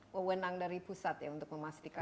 wewenang dari pusat ya untuk memastikan